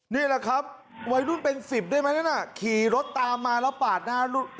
นี่แหละครับวัยรุ่นเป็น๑๐ได้ไหมนั่นน่ะขี่รถตามมาแล้วปาดหน้า